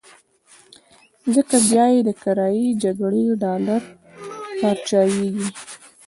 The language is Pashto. ځکه بيا یې د کرايي جګړې ډالر پارچاوېږي.